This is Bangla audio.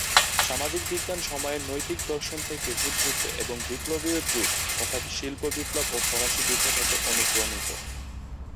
সামাজিক বিজ্ঞান সময়ের নৈতিক দর্শন থেকে উদ্ভূত এবং বিপ্লবী যুগ, তথা শিল্প বিপ্লব ও ফরাসি বিপ্লব হতে অনুপ্রাণিত।